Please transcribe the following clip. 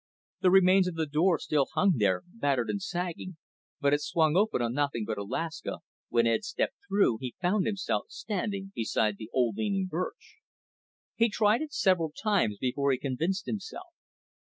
The remains of the door still hung there, battered and sagging; but it swung open on nothing but Alaska, when Ed stepped through he found himself standing beside the old leaning birch. He tried it several times before he convinced himself.